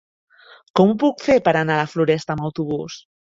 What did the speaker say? Com ho puc fer per anar a la Floresta amb autobús?